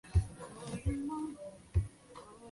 萨布埃鲁是巴西塞阿拉州的一个市镇。